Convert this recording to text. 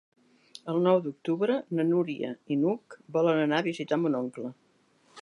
El nou d'octubre na Núria i n'Hug volen anar a visitar mon oncle.